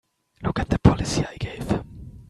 Look at the policy I gave him!